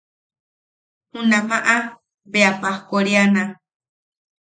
Junamaʼa bea pajkoriana.